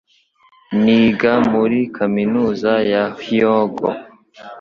Niga muri kaminuza ya Hyogo.